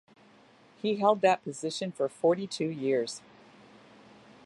He held that position for forty-two years.